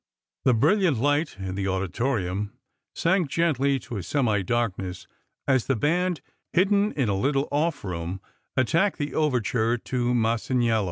The brilUant light in the auditorium sank gently to a semi darkness as the band, hidden in a little ofF room, attacked the overture to Masaniello.